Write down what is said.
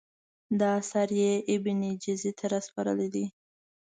دا اثر یې ابن جزي ته سپارلی دی.